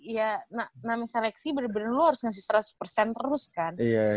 ya name seleksi bener bener lo harus ngasih seratus terus kan